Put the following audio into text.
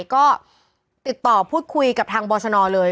ก็ติดต่อพูดคุยกับทางบรชนเลย